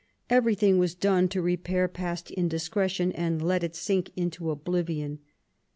Everything was done to repair past indiscretion and let it sink into oblivion.